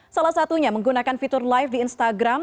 salah satunya menggunakan fitur live di instagram